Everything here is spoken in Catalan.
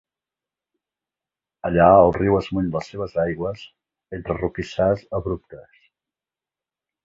Allà el riu esmuny les seves aigües entre roquissars abruptes.